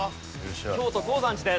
京都高山寺です。